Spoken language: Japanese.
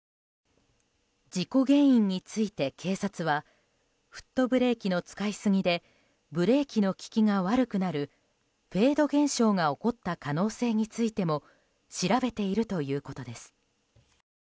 事故原因について警察はフットブレーキの使い過ぎでブレーキの利きが悪くなるフェード現象が起こった可能性についても調べているということです。